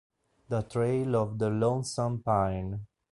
The Trail of the Lonesome Pine